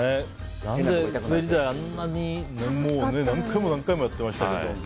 滑り台何回もやってましたけど。